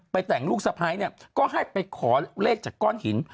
แต่งลูกสะพ้ายเนี่ยก็ให้ไปขอเลขจากก้อนหิน